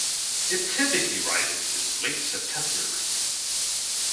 It typically ripens in late September.